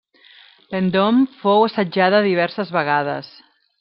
Vendôme fou assetjada diverses vegades.